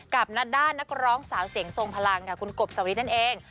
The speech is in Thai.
กับนัดด้านนักร้องสาวเสียงทรงพลังค่ะคุณกบสวิทย์นั่นเอง